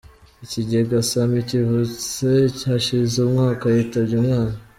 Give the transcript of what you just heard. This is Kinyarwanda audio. Ikigega ‘Sami’ kivutse hashize umwaka yitabye Imana